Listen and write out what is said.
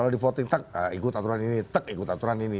kalau di voting tak ikut aturan ini tak ikut aturan ini